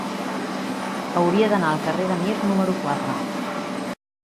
Hauria d'anar al carrer de Mir número quatre.